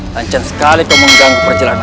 lanjan sekali kau mengganggu perjalananku